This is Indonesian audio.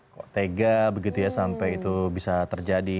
kekutega begitu ya sampai itu bisa terjadi